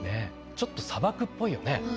ちょっと砂漠っぽいよね。